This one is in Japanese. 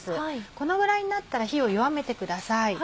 このぐらいになったら火を弱めてください。